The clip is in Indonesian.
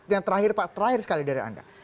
yang terakhir pak terakhir sekali dari anda